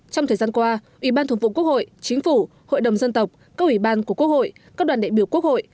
trong thời gian qua ủy ban thường vụ quốc hội chính phủ hội đồng dân tộc các ủy ban của quốc hội các đoàn đại biểu quốc hội